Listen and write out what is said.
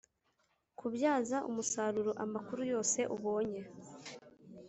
kubyaza umusaruro amakuru yose ubonye